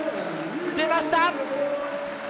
出ました！